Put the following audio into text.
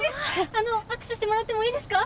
あの握手してもらってもいいですか？